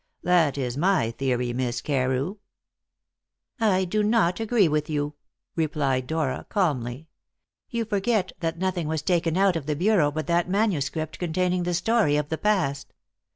That is my theory, Miss Carew." "I do not agree with you," replied Dora calmly; "you forget that nothing was taken out of the bureau but that manuscript containing the story of the past."